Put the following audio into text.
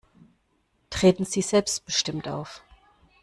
Treten Sie selbstbestimmt auf.